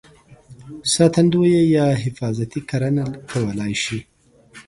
ساتندویه یا حفاظتي کرنه کولای شي.